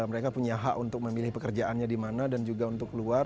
mereka punya hak untuk memilih pekerjaannya di mana dan juga untuk keluar